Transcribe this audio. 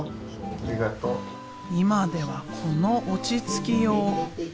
今ではこの落ち着きよう。